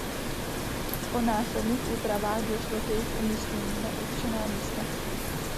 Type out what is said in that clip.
Po následných úpravách došlo k jejich umístění na určená místa.